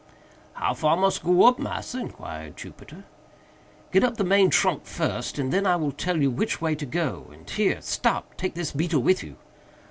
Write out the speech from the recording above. "How far mus go up, massa?" inquired Jupiter. "Get up the main trunk first, and then I will tell you which way to go—and here—stop! take this beetle with you."